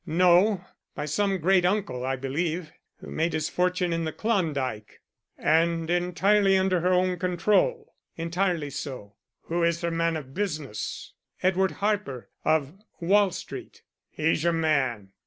"No, by some great uncle, I believe, who made his fortune in the Klondike." "And entirely under her own control?" "Entirely so." "Who is her man of business?" "Edward Harper, of Wall Street." "He's your man.